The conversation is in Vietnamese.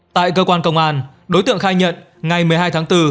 tại cơ quan công an đối tượng khai nhận ngày một mươi hai tháng bốn